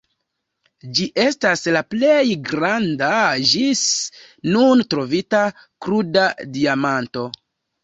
Ĝi estas la plej granda ĝis nun trovita kruda diamanto.